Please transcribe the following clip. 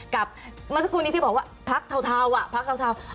กับมันสักครู่นี้ที่บอกว่าพรรคเทาอ่ะ